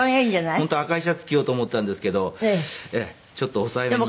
本当は赤いシャツ着ようと思ったんですけどちょっと抑えめに。